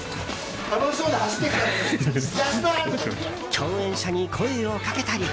共演者に声をかけたり。